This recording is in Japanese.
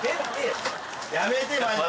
やめてよ